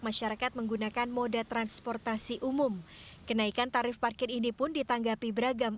masyarakat menggunakan moda transportasi umum kenaikan tarif parkir ini pun ditanggapi beragam